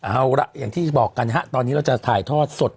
เอาละอย่างที่บอกกันฮะตอนนี้เราจะถ่ายทอดสด